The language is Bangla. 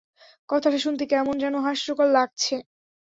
কথাটা শুনতে কেমন যেন হাস্যকর লাগছে!